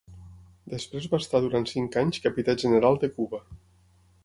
Després va estar durant cinc anys Capità general de Cuba.